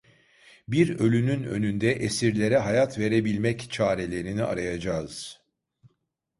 Bir ölünün önünde esirlere hayat verebilmek çarelerini arayacağız.